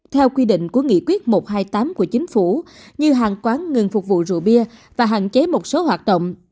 theo quy định của nghị quyết một trăm hai mươi tám của chính phủ như hàng quán ngừng phục vụ rượu bia và hạn chế một số hoạt động